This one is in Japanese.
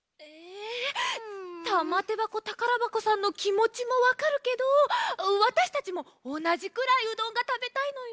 たまてばこたからばこさんのきもちもわかるけどわたしたちもおなじくらいうどんがたべたいのよ。